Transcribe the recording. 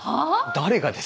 誰がですか。